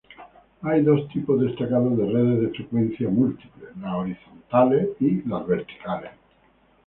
Hay dos tipos destacados de redes de frecuencia múltiple, las horizontales y las verticales.